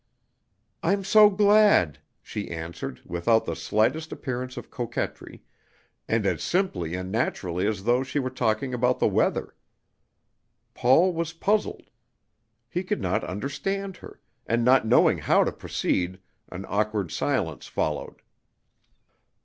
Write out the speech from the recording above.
"I'm so glad," she answered, without the slightest appearance of coquetry, and as simply and naturally as though she were talking about the weather. Paul was puzzled. He could not understand her, and not knowing how to proceed, an awkward silence followed.